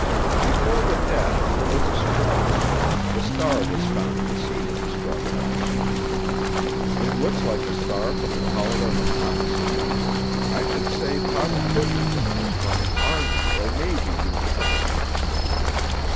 "Before the death there was a struggle. This star was found at the scene of the struggle." "It looks like the star from the collar of an officer. I should say positively that it was from an army or navy uniform."